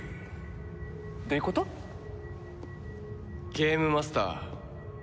ゲームマスター。